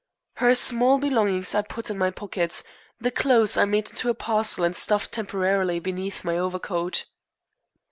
Her small belongings I put in my pockets; the clothes I made into a parcel and stuffed temporarily beneath my overcoat.